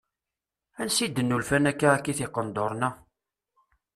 Ansa i d-nulfan akka akkit iqenduṛen-a?